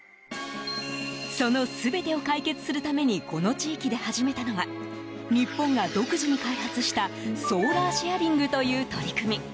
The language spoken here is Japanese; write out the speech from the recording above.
その全てを解決するためにこの地域で始めたのは日本が独自に開発したソーラーシェアリングという取り組み。